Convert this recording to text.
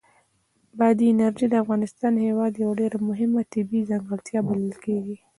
بادي انرژي د افغانستان هېواد یوه ډېره مهمه طبیعي ځانګړتیا بلل کېږي.